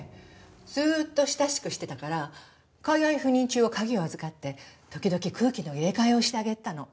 ずっと親しくしてたから海外赴任中は鍵を預かって時々空気の入れ替えをしてあげてたの。